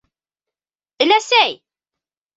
- Өләсәй!